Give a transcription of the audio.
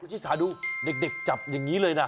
ชิสาดูเด็กจับอย่างนี้เลยนะ